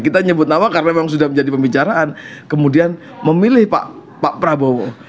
kita nyebut nama karena memang sudah menjadi pembicaraan kemudian memilih pak prabowo